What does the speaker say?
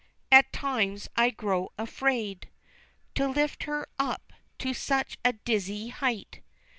At times I grow afraid To lift her up to such a dizzy height.